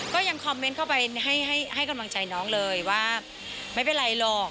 ก็ยังคอมเมนต์เข้าไปให้กำลังใจน้องเลยว่าไม่เป็นไรหรอก